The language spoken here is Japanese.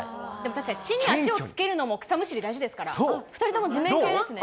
確かに地に足をつけるのも草むしり、大事ですから、２人とも地面系ですね。